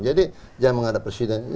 jadi jangan menghadap presiden